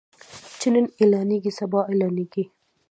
چې نن اعلانيږي سبا اعلانيږي.